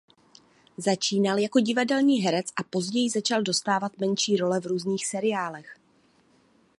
Začínal jako divadelní herec a později začal dostávat menší role v různých seriálech.